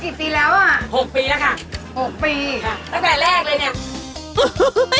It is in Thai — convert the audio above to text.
ขายมากี่ปีแล้วอะ